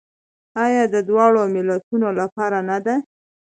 آیا د دواړو ملتونو لپاره نه ده؟